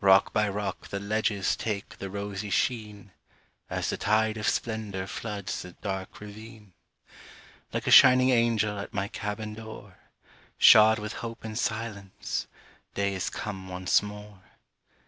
Rock by rock the ledges Take the rosy sheen, As the tide of splendor Floods the dark ravine. Like a shining angel At my cabin door, Shod with hope and silence, Day is come once more.